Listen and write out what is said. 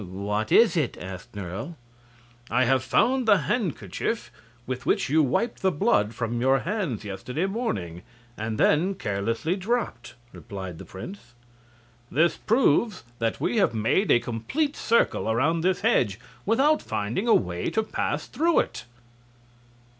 "What is it?" asked Nerle. "I have found the handkerchief with which you wiped the blood from your hands yesterday morning, and then carelessly dropped," replied the prince. "This proves that we have made a complete circle around this hedge without finding a way to pass through it."